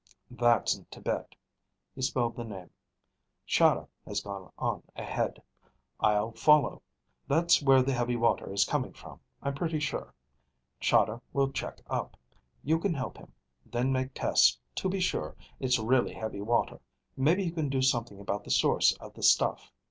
That's in Tibet." He spelled the name. "Chahda has gone on ahead. I'll follow. That's where the heavy water is coming from, I'm pretty sure. Chahda will check up. You can help him, then make tests to be sure it's really heavy water. Maybe you can do something about the source of the stuff.